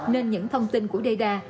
nên những thông tin của data